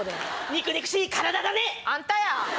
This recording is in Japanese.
ニクニクしい体だね！あんたや。